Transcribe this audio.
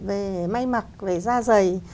về may mặt về da dày